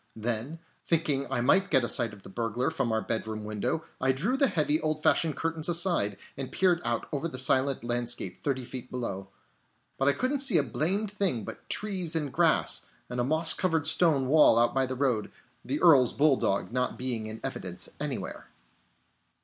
Then, thinking I might get a sight of the burglar from our bedroom window, I drew the heavy, old fashioned curtains aside, and peered out over the silent landscape thirty feet below. But I couldn't see a blamed thing but trees and grass, and a moss covered stone wall out by the road; the Earl's bulldog not being in evidence anywhere.